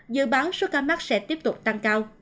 dự báo số ca mắc sẽ tiếp tục tăng cao